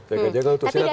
jaga jaga untuk siapa